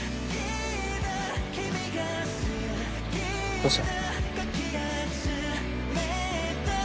どうした？